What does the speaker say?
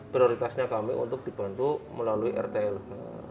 prioritasnya kami untuk dibantu melalui rtl